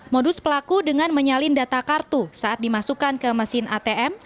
modus pelaku dengan menyalin data kartu saat dimasukkan ke mesin atm